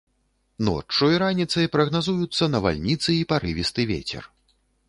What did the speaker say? Ноччу і раніцай прагназуюцца навальніцы і парывісты вецер.